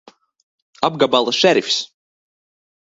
Apgabala šerifs!